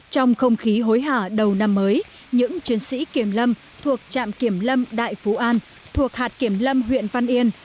trong không khí hối hả đầu năm mới những chiến sĩ kiểm lâm thuộc trạm kiểm lâm đại phú an thuộc hạt kiểm lâm huyện văn yên